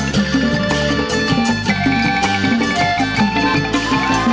กลับมาที่สุดท้าย